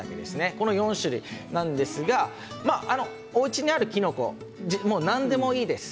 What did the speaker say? この４種類なんですがおうちにあるきのこ何でも結構です。